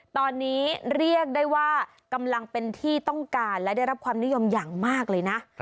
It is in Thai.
ตอนนี้เรียกได้ว่ากำลังเป็นที่ต้องการและได้รับความนิยมอย่างมากเลยนะ